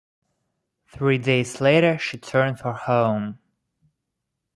Three days later, she turned for home.